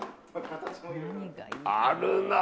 あるなー！